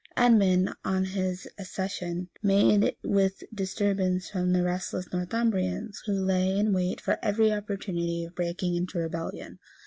{941.} Edmund, on his accession, met with disturbance from the restless Northumbrians, who lay in wait for every opportunity of breaking into rebellion.